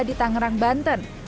di tangerang banten